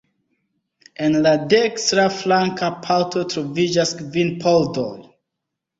En la dekstra flanka parto troviĝas kvin pordoj.